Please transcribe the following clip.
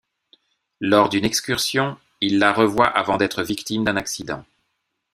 Lors d'une excursion, il la revoit avant d'être victime d'un accident.